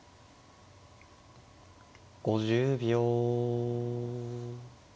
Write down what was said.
５０秒。